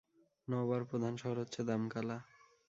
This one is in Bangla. নওবার প্রধান শহর হচ্ছে দামকালা।